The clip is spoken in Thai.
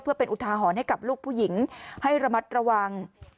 เพื่อเป็นอุทาหรณ์ให้กับลูกผู้หญิงให้ระมัดระวัง